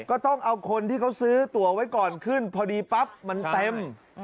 ก็ต้องเอาคนที่เขาซื้อตัวไว้ก่อนขึ้นพอดีปั๊บมันเต็ม